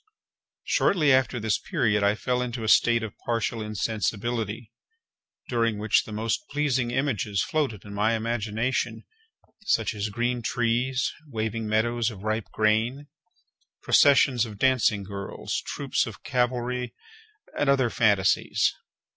Shortly after this period I fell into a state of partial insensibility, during which the most pleasing images floated in my imagination; such as green trees, waving meadows of ripe grain, processions of dancing girls, troops of cavalry, and other phantasies.